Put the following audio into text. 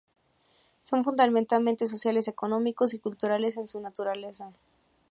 Son fundamentalmente sociales, económicos y culturales en su naturaleza.